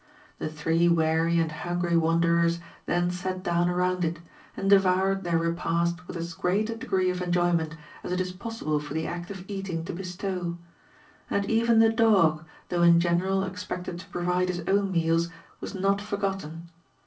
The three weary and hungry wanderers then sat down around it, and devoured their repast wifli ai^ great a degree of enjoyment as it is possible for the act of eating Uf bestow; and even the dog, though in gerieraf expected to provide his own meals, was not forgotten.